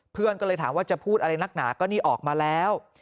เพื่อนก็เลยถามว่าจะพูดอะไรนักหนาก็นี่ออกมาแล้ว